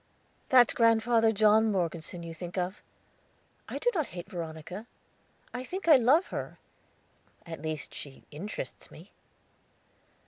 "That's Grandfather John Morgeson you think of. I do not hate Veronica. I think I love her; at least she interests me."